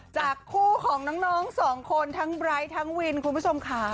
จากคู่ของน้องสองคนทั้งไร้ทั้งวินคุณผู้ชมค่ะ